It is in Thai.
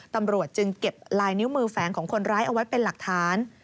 ตำรวจจึงเก็บลายนิ้วมือแฝงของคนร้ายเอาไว้เป็นหลักฐาน